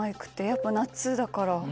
やっぱ夏だから。